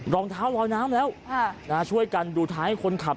รองเท้าลอยน้ำแล้วช่วยกันดูท้ายให้คนขับ